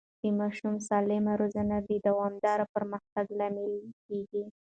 د ماشوم سالمه روزنه د دوامدار پرمختګ لامل کېږي.